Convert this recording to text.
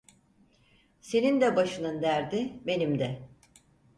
Senin de başının derdi, benim de…